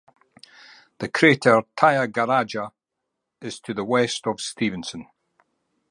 The crater Tyagaraja is to the west of Stevenson.